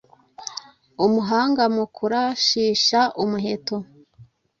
umuhanga mu kurashisha umuheto.